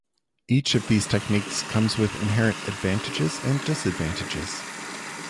Each of these techniques comes with inherent advantages and disadvantages.